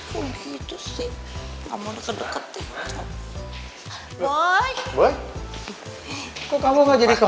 begitu sih kamu deket deket